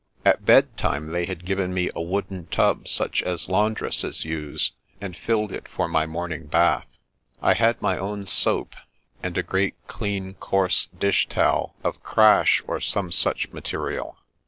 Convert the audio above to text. At bedtime they had given me a wooden tub such as laundresses use, and filled it for my morning bath. I had my own soap, and a great, clean, coarse dish towel of crash or some such material.